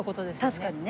確かにね。